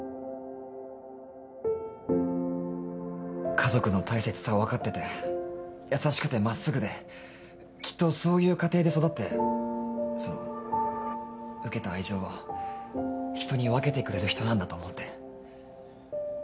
家族の大切さを分かってて優しくて真っすぐできっとそういう家庭で育ってその受けた愛情を人に分けてくれる人なんだと思って。